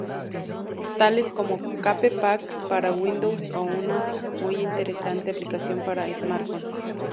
Tales como Cape Pack para Windows o una muy interesante aplicación para smartphone.